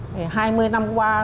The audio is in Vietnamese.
hai mươi năm qua